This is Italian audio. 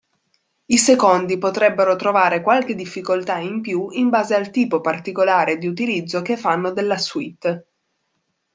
I secondi potrebbero trovare qualche difficoltà in più in base al tipo particolare di utilizzo che fanno della suite.